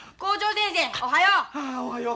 おはよう。